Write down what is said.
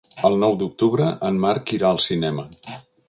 El nou d'octubre en Marc irà al cinema.